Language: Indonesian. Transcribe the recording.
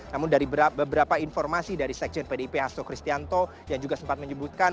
namun dari beberapa informasi dari sekjen pdip hasto kristianto yang juga sempat menyebutkan